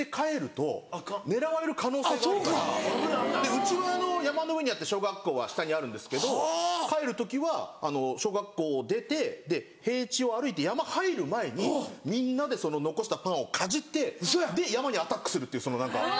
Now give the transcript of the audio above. うちは山の上にあって小学校は下にあるんですけど帰る時は小学校を出て平地を歩いて山入る前にみんなでその残したパンをかじってで山にアタックするっていうその何か。